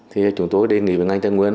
thì chúng tôi đề nghị với ngành chân nguyên